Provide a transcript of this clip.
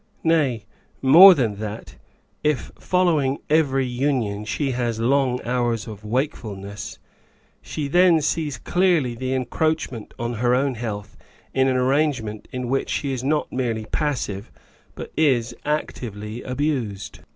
Nay, more than that : if fol lowmg every union she has long hours of wakefulness, she then sees clearly the encroachment on her own Sleep 59 health in an arrangement in which she is not merely passive, but is actively abused.